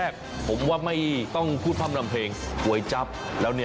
กระเพาะกับไส่